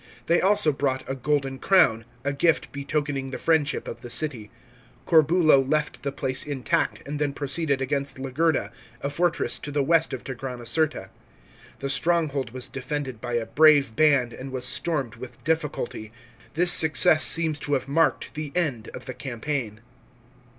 They also brought a golden crown, a gift betokening the friendship of the city. Corbulo left the place intact, and then proceeded against Legerda, a fortress to the west of Tigranocerta. The stronghold was defended by a brave band, and was stormed with difficulty. This success seems to have marked the end of the campaign.